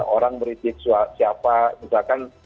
orang meripit siapa misalkan